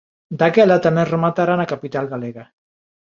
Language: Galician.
Daquela tamén rematara na capital galega.